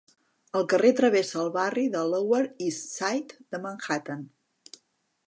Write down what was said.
El carrer travessa el barri del Lower East Side de Manhattan.